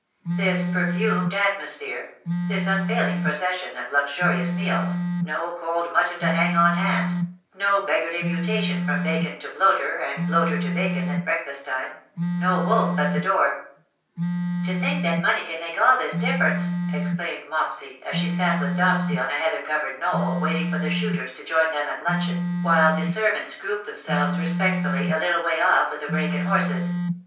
This perfumed atmosphere — this unfailing procession of luxurious meals — no cold mutton to hang on hand — no beggarly mutation from bacon to bloater and bloater to bacon at breakfast time — no wolf at the door. WE DRAW NIGH THEE." 191 " To think that money can make all this differ ence/^ exclaimed Mopsy, as she sat with Dopsy on a heather covered knoll waiting for the shooters to join them at luncheon^ while the servants grouped themselves respectfully a little way off with the break and horses.